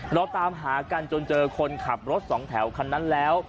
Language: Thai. เราตามหากันจนเจอคนขับรถสองแถวคันนั้นแล้ว